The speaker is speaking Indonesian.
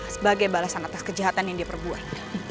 sebagai balasan atas kejahatan yang dia perbuat